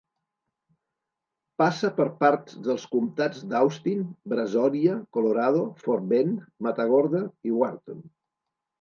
Passa per parts dels comtats d'Austin, Brazoria, Colorado, Fort Bend, Matagorda i Wharton.